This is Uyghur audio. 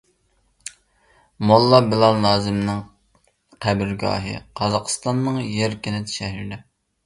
موللا بىلال نازىمىنىڭ قەبرىگاھى قازاقسىتاننىڭ يەركەنت شەھىرىدە.